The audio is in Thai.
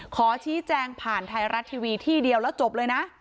ขอชี้แจงผ่านไทยรัฐทีวีที่เดียวแล้วจบเลยนะ